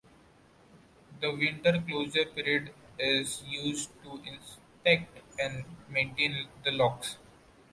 The winter closure period is used to inspect and maintain the locks.